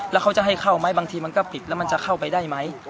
แล้วเขาจะให้เข้าไหมบางทีมันก็ปิดแล้วมันจะเข้าไปได้ไหม